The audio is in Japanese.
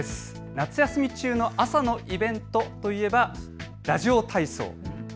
夏休み中の朝のイベントといえばラジオ体操。